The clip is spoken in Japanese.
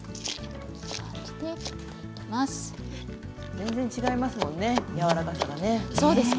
全然違いますものねやわらかさが。